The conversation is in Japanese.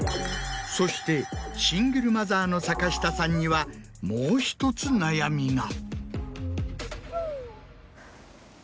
そしてシングルマザーの坂下さんにはもう１つ悩みが。